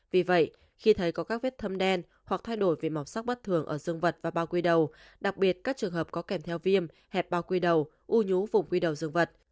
vì vậy khi thấy có các vết thâm đen hoặc thay đổi về màu sắc bất thường ở dương vật và bao quy đầu đặc biệt các trường hợp có kèm theo viêm hẹp bao quy đầu u nhú vùng quy đầu dương vật